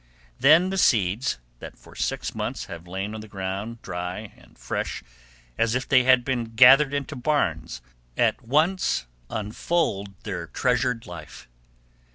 Then the seeds, that for six months have lain on the ground dry and fresh as if they had been gathered into barns, at once unfold their treasured life.